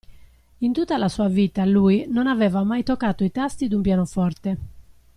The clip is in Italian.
In tutta la sua vita, lui non aveva mai toccato i tasti d'un pianoforte!